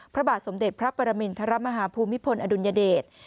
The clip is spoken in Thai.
พระบาทสมเด็จพระปรมินทรมาฮาภูมิพลอดุลยเดช